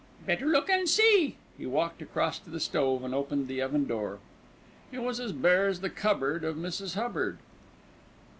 "Better look and see." He walked across to the stove and opened the oven door. It was as bare as the cupboard of Mrs. Hubbard.